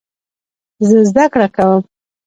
زه زده کړه کوم.